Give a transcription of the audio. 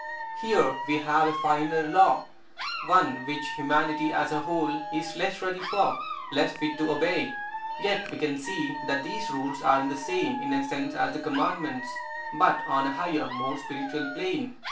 Here we have a finer law, one which humanity as a whole is less ready for, less fit to obey. Yet we can see that these Rules are the same in essence as the Commandments, but on a higher, more spiritual plane.